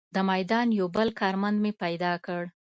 د میدان یو بل کارمند مې پیدا کړ.